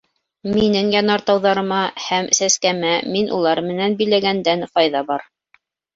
Минең янартауҙарыма, һәм сәскәмә мин улар менән биләгәндән файҙа бар.